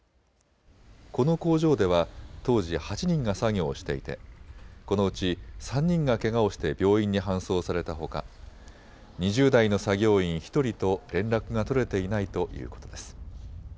この工場では当時、８人が作業をしていて、このうち３人がけがをして病院に搬送されたほか２０代の作業員１人と連絡が取れていないということです。